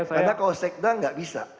karena kalau sekda nggak bisa